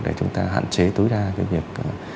để chúng ta hạn chế tối đa cái việc